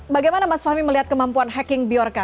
bagaimana mas fahmi melihat kemampuan hacking biorca